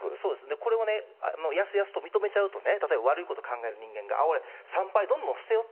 これをやすやすと認めちゃうとね、例えば、悪いことを考える人間が、産廃、どんどん捨てろと。